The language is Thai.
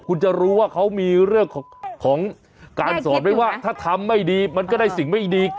คุณจะรู้ว่าเขามีเรื่องของการสอนไหมว่าถ้าทำไม่ดีมันก็ได้สิ่งไม่ดี